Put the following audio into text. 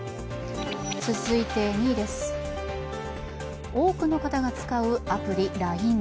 続いて２位です、多くの方が使うアプリＬＩＮＥ。